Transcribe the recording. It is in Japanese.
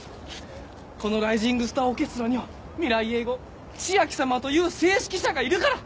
このライジングスター・オーケストラには未来永ごう千秋さまという正指揮者がいるから。